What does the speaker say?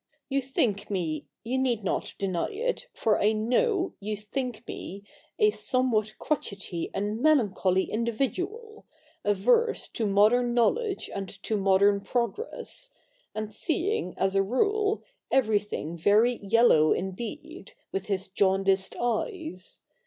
You think me — you need not deny it, for I know you think me — a somewhat crotchety and melancholy individual, averse to modern knowledge and to modern progress, and seeing, as a rule, everything very yellow indeed, with his jaundiced eyes.